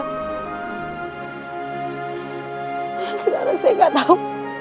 sekarang saya nggak tahu